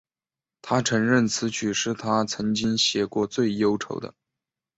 她承认此曲是她曾经写过最忧愁的。